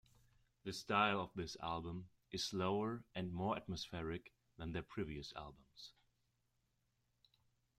The style of this album is slower and more atmospheric than their previous albums.